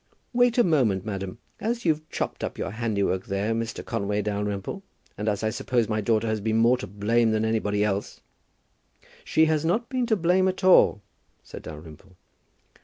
"Wait a moment, madam. As you've chopped up your handiwork there, Mr. Conway Dalrymple, and as I suppose my daughter has been more to blame than anybody else " "She has not been to blame at all," said Dalrymple.